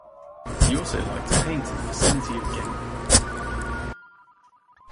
He also liked to paint in the vicinity of Genk.